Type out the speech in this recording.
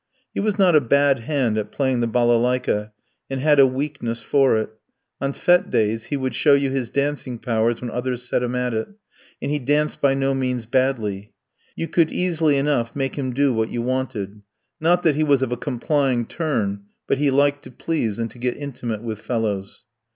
He was not a bad hand at playing the balalaika, and had a weakness for it; on fête days he would show you his dancing powers when others set him at it, and he danced by no means badly. You could easily enough make him do what you wanted ... not that he was of a complying turn, but he liked to please and to get intimate with fellows.